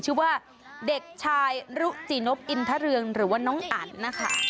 ชื่อว่าเด็กชายรุจินบอินทะเรืองหรือว่าน้องอันนะคะ